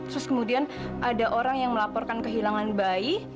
terus kemudian ada orang yang melaporkan kehilangan bayi